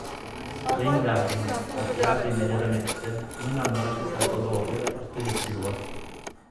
Le indagini, avviate immediatamente, non hanno ravvisato dolo da parte di Stewart.